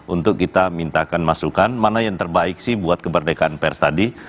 untuk kita mintakan masukan mana yang terbaik sih buat kemerdekaan pers tadi